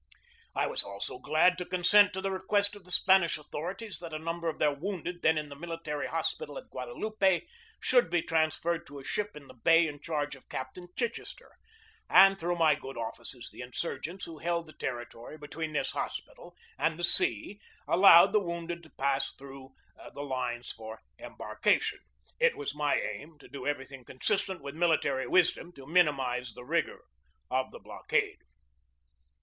I was also glad to consent to the request of the Spanish authorities that a number of their wounded then in a military hospital at Guadalupe should be transferred to a ship in the bay in charge of Cap tain Chichester; and through my good offices the insurgents who held the territory between this hospi tal and the sea allowed the wounded to pass through the lines for embarkation. It was my aim to do 250 GEORGE DEWEY everything consistent with military wisdom to mini mize the rigor of the blockade.